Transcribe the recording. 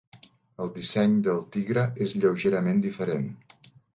El disseny del tigre és lleugerament diferent.